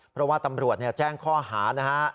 เพราะว่าตำรวจแจ้งข้อหานะฮะ